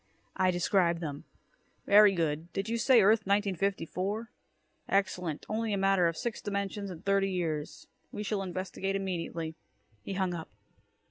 I described them. "Very good. Did you say Earth 1954? Excellent. Only a matter of six dimensions and thirty years. We shall investigate immediately." He hung up.